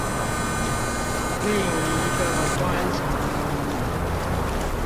另一個觀察